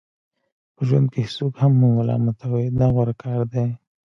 په ژوند کې هیڅوک هم مه ملامتوئ دا غوره کار دی.